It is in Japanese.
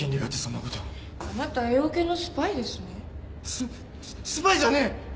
ススパイじゃねえ！